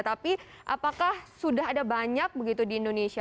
tapi apakah sudah ada banyak begitu di indonesia